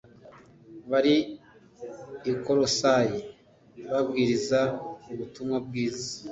bari i Kolosayi babwiriza ubutumwa bwiza